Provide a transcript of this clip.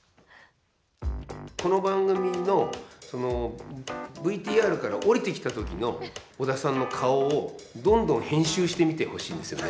この番組のＶＴＲからおりてきたときの織田さんの顔を、どんどん編集してみてほしいんですよね